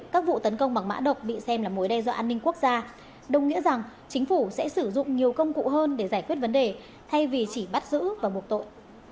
các vụ tấn công bằng mã độc bị xem là mối đe dọa an ninh quốc gia đồng nghĩa rằng chính phủ sẽ sử dụng nhiều công cụ hơn để giải quyết vấn đề thay vì chỉ bắt giữ và buộc tội